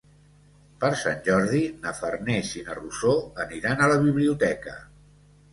Per Sant Jordi na Farners i na Rosó aniran a la biblioteca.